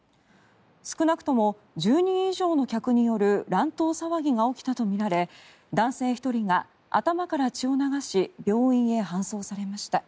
少なくとも１０人以上の客による乱闘騒ぎが起きたとみられ男性１人が頭から血を流し病院へ搬送されました。